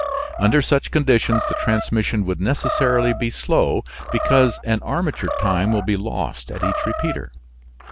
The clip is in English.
Under such conditions the transmission would necessarily be slow, because an armature time will be lost at each repeater.